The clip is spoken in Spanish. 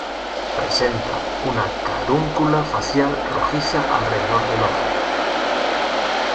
Presenta una carúncula facial rojiza alrededor del ojo.